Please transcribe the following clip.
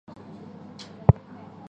父亲是伊达持宗。